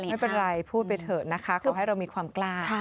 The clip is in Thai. ไม่เป็นไรพูดไปเถอะนะคะขอให้เรามีความกล้า